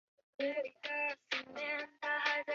隆莱勒泰松人口变化图示